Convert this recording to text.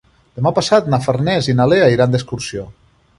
Demà passat na Farners i na Lea iran d'excursió.